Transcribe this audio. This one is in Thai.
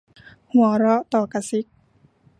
หัวเราะต่อกระซิก